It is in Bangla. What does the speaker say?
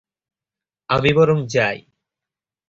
আমি বরং যাই।